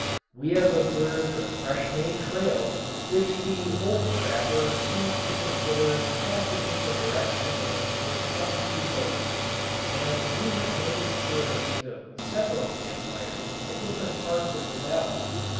We have observed a fresh made trail, which the old trapper seems to consider passes in the direction of the Truckee Lake; and we have noticed the remains of several camp fires at different parts of the valley.